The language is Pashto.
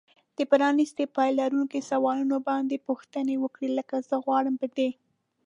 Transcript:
د پرانیستي پای لرونکو سوالونو باندې پوښتنې وکړئ. لکه زه غواړم په دې